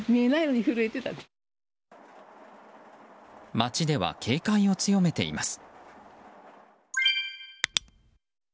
町では警戒を強めています。